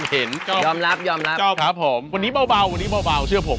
ยอมรับยอมรับครับผมวันนี้เบาวันนี้เบาเชื่อผม